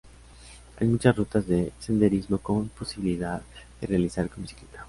Hay muchas rutas de senderismo con posibilidad de realizar con bicicleta.